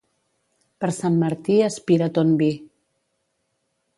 Per Sant Martí aspira ton vi.